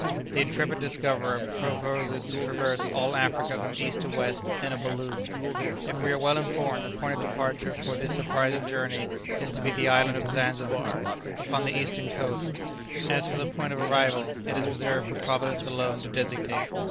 "This intrepid discoverer proposes to traverse all Africa from east to west in a balloon. If we are well informed, the point of departure for this surprising journey is to be the island of Zanzibar, upon the eastern coast. As for the point of arrival, it is reserved for Providence alone to designate.